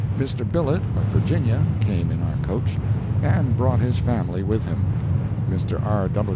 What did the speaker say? Mr. Billet, of Virginia, came in our coach, and brought his family with him—Mr. R.